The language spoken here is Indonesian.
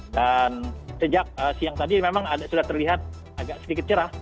dan sejak siang tadi memang sudah terlihat agak sedikit cerah